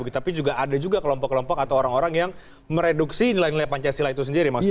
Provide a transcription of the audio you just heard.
tapi juga ada juga kelompok kelompok atau orang orang yang mereduksi nilai nilai pancasila itu sendiri